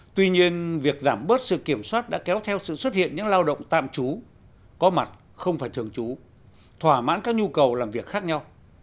tuy nhiên việc giảm bớt sự kiểm soát đã kéo theo sự xuất hiện những lao động tạm trú có mặt không phải thường trú thỏa mãn các nhu cầu làm việc khác nhau